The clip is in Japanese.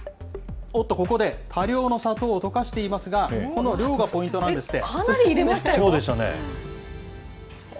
おっとここで、多量の砂糖を溶かしていますが、この量がポイントなんですって。